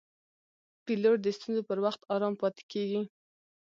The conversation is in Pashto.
پیلوټ د ستونزو پر وخت آرام پاتې کېږي.